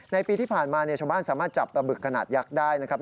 ปีที่ผ่านมาชาวบ้านสามารถจับปลาบึกขนาดยักษ์ได้นะครับ